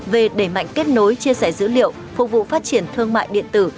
về đẩy mạnh kết nối chia sẻ dữ liệu phục vụ phát triển thương mại điện tử